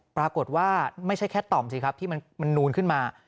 ปรากฏว่าไม่ใช่แค่ต่อมสิครับที่มันนูนขึ้นมา